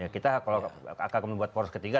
kita kalau akan membuat poros ketiga